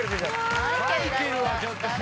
マイケルはちょっと。